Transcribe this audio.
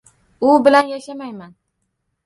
U bilan yashamayman